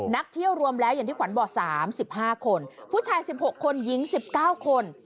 นักเที่ยวรวมแล้วอย่างที่ขวัญบอก๓๕คนผู้ชาย๑๖คนหญิง๑๙คน